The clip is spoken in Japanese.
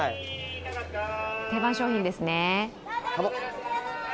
定番商品ですね。